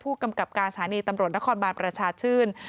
กำกับการสถานีตำรวจนครบานประชาชื่น